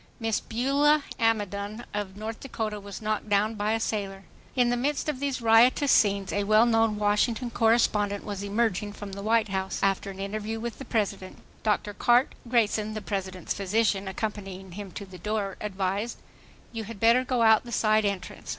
Miss Beulah Amidon of North Dakota was knocked down by a sailor. In the midst of these riotous scenes, a well known Washington correspondent was emerging from the White House, after an interview with the President. Dr. Cart' Grayson, the President's physician, accompanying him to the door, advised: "You had better go out the side entrance.